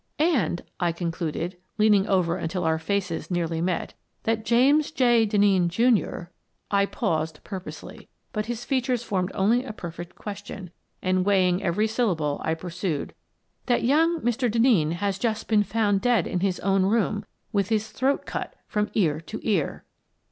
" And," I concluded, leaning over until our faces nearly met, " that James J. Denneen, Jr. —" I paused purposely, but his features formed only a perfect question, and, weighing every syllable, I pursued :" That young Mr. Denneen has just been found dead in his own room with his throat cut from ear to ear."